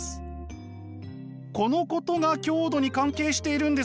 このことが強度に関係しているんですが。